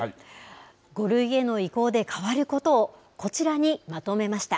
５類への移行で変わることを、こちらにまとめました。